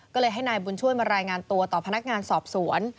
ก็เลยให้นายบุญช่วยมารายงานตัวต่อพนักงานสอบสวน